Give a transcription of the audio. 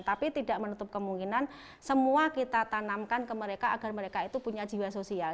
tapi tidak menutup kemungkinan semua kita tanamkan ke mereka agar mereka itu punya jiwa sosial